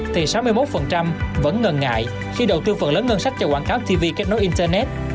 thì sáu mươi một vẫn ngần ngại khi đầu tư phần lớn ngân sách cho quảng cáo tv kết nối internet